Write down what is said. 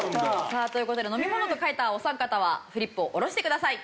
さあという事で飲み物と書いたお三方はフリップを下ろしてください。